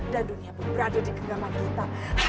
dan dunia berada di genggaman kita